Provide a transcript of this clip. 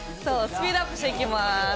スピードアップしていきます。